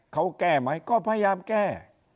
เขาแก้ไหมก็พยายามแก้